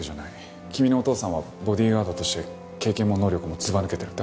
君のお父さんはボディーガードとして経験も能力もずば抜けてる。